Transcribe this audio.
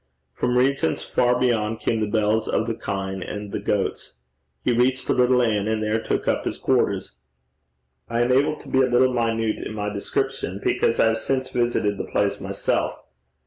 From regions far beyond came the bells of the kine and the goats. He reached a little inn, and there took up his quarters. I am able to be a little minute in my description, because I have since visited the place myself.